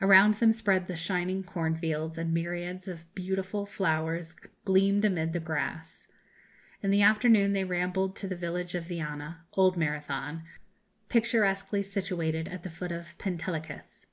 Around them spread the shining corn fields, and myriads of beautiful flowers gleamed amid the grass. In the afternoon they rambled to the village of Viana old Marathon picturesquely situated at the foot of Pentelicus.